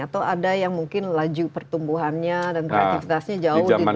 atau ada yang mungkin laju pertumbuhannya dan kreatifitasnya jauh di luar yang lain